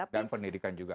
dan pendidikan juga